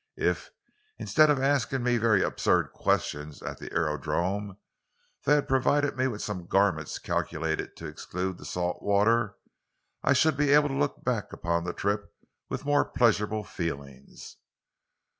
"If, instead of asking me very absurd questions at the aerodrome, they had provided me with some garments calculated to exclude the salt water, I should be able to look back upon the trip with more pleasurable feelings."